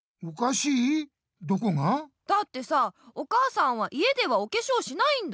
どこが？だってさお母さんは家ではおけしょうしないんだ。